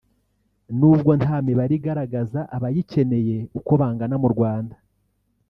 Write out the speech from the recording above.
nubwo nta mibare igaragaza abayikeneye uko bangana mu Rwanda